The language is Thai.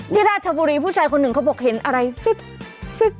ราชบุรีผู้ชายคนหนึ่งเขาบอกเห็นอะไรฟึกฟึก